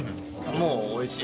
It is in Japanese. もうおいしい。